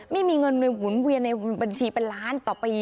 ไม่มีเงินหมุนเวียนในบัญชีเป็นล้านต่อปี